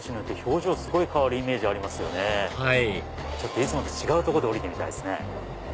いつもと違う所で降りてみたいですね。